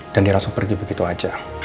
dan dia langsung pergi begitu aja